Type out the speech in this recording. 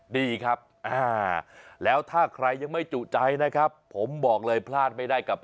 ดีครับแล้วถ้าใครยังไม่จุใจนะครับผมบอกเลยพลาดไม่ได้กับ